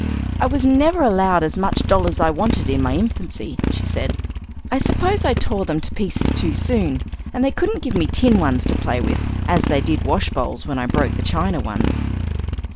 "I was never allowed as much doll as I wanted in my infancy," she said. "I suppose I tore them to pieces too soon; and they couldn't give me tin ones to play with, as they did wash bowls when I broke the china ones."